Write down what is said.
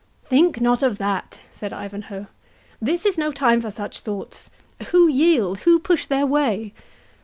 "Think not of that," said Ivanhoe; "this is no time for such thoughts—Who yield?—who push their way?"